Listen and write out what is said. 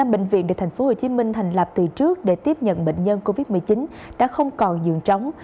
năm bệnh viện được tp hcm thành lập từ trước để tiếp nhận bệnh nhân covid một mươi chín đã không còn dường chóng